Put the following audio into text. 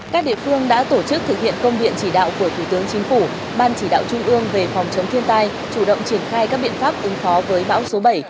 các địa phương đã tổ chức thực hiện công điện chỉ đạo của thủ tướng chính phủ ban chỉ đạo trung ương về phòng chống thiên tai chủ động triển khai các biện pháp ứng phó với bão số bảy